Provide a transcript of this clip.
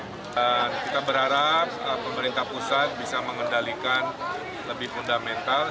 dan kita berharap pemerintah pusat bisa mengendalikan lebih fundamental